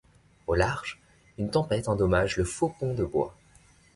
Au large, une tempête endommage le faux-pont de bois.